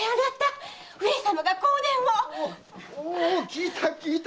おお聞いた聞いた！